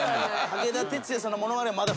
武田鉄矢さんのものまねまだ。